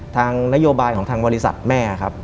ทางนโยบายของทางบริษัทแม่ครับ